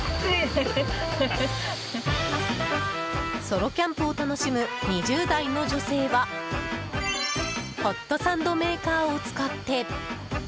ソロキャンプを楽しむ２０代の女性はホットサンドメーカーを使って。